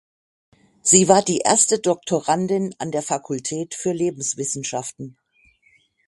Sie war die erste Doktorandin an der Fakultät für Lebenswissenschaften.